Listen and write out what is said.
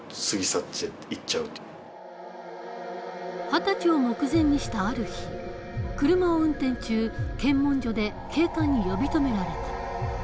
二十歳を目前にしたある日車を運転中検問所で警官に呼び止められた。